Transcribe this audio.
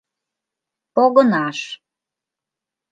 — Погынаш!..